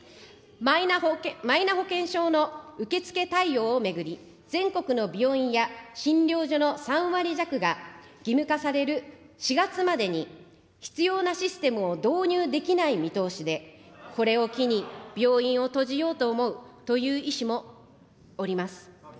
マイナ保険証の受け付け対応を巡り、全国の病院や診療所の３割弱が、義務化される４月までに、必要なシステムを導入できない見通しで、これを機に、病院を閉じようと思うという医師もおります。